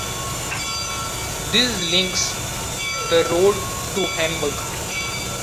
This links the road to Hamburg.